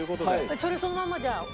それそのままじゃあ。